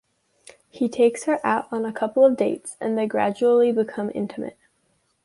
He takes her out on a couple of dates and they gradually become intimate.